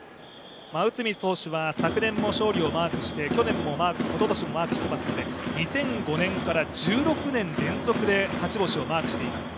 内海投手は昨年も勝利をマークして、去年もおととしもマークしていますので、２００５年から１６年連続で勝ち星をマークしています。